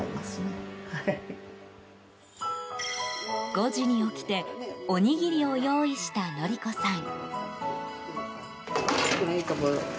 ５時に起きておにぎりを用意した徳子さん。